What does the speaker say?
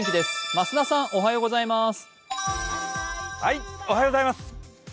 増田さんおはようございます。